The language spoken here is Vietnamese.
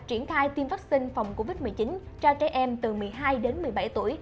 triển khai tiêm vaccine phòng covid một mươi chín cho trẻ em từ một mươi hai đến một mươi bảy tuổi